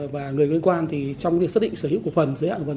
và người có liên quan thì trong việc xác định sở hữu của phần giới hạn của phần